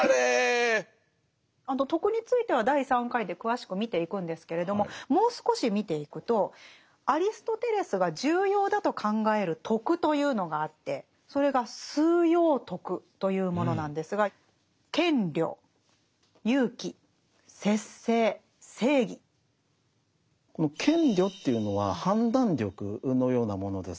徳については第３回で詳しく見ていくんですけれどももう少し見ていくとアリストテレスが重要だと考える徳というのがあってそれが「枢要徳」というものなんですがこの「賢慮」っていうのは判断力のようなものです。